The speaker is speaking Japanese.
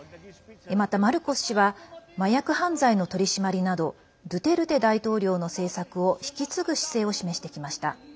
また、マルコス氏は麻薬犯罪の取り締まりなどドゥテルテ大統領の政策を引き継ぐ姿勢を示してきました。